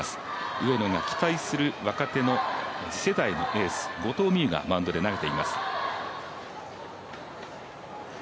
上野が期待する若手の次世代のエース後藤希友がマウンドで投げています。